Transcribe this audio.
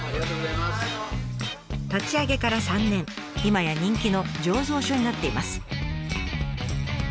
立ち上げから３年今や人気の醸造所になっています。